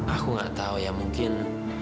aku nggak tahu ya mungkin